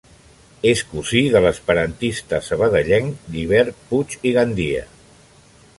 És cosí de l'esperantista sabadellenc Llibert Puig i Gandia.